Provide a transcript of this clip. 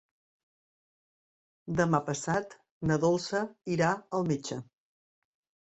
Demà passat na Dolça irà al metge.